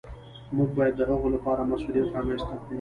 موږ باید د هغه لپاره مصونیت رامنځته کړو.